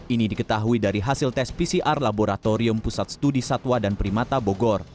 ini diketahui dari hasil tes pcr laboratorium pusat studi satwa dan primata bogor